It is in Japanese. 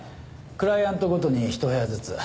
クライアントごとに１部屋ずつ。